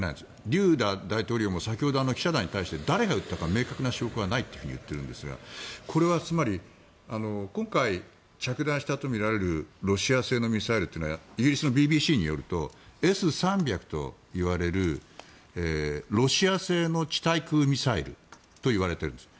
ドゥダ大統領も先ほど記者団に対して誰が撃ったか明確な証拠はないと言っているんですがこれはつまり今回、着弾したとみられるロシア製のミサイルというのはイギリスのＢＢＣによるとＳ３００といわれるロシア製の地対空ミサイルといわれているんです。